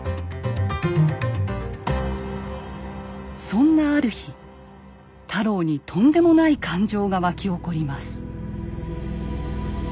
そんなある日太郎にとんでもない感情が湧き起こります。